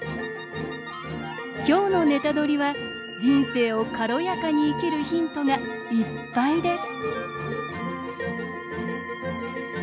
今日の「ネタドリ！」は人生を軽やかに生きるヒントがいっぱいです。